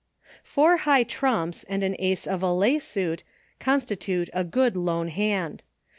Four high trumps and an Ace of a lay suit constitute a good lone hand.